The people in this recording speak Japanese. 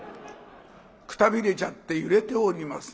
くたびれちゃって揺れております。